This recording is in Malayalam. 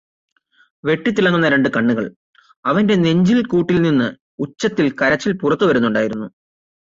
വെട്ടിത്തിളങ്ങുന്ന രണ്ടു കണ്ണുകൾ അവൻറെ നെഞ്ചിൽ കൂട്ടിൽ നിന്ന് ഉച്ചത്തിൽ കരച്ചിൽ പുറത്ത് വരുന്നുണ്ടായിരുന്നു